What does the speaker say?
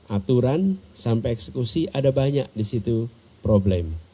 aturan sampai eksekusi ada banyak di situ problem